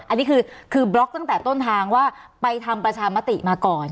อันนี้คือบล็อกตั้งแต่ต้นทางว่าไปทำประชามติมาก่อน